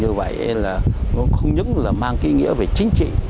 như vậy không chỉ mang nghĩa về chính trị